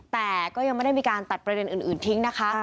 แต่ก็ยังไม่ได้มีการตัดประเด็นอื่นทิ้งนะคะ